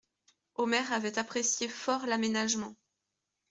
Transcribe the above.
Omer avait apprécié fort l'aménagement.